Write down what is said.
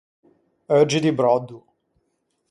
Euggi di bròddo.